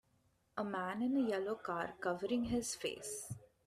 A man in a yellow car covering his face.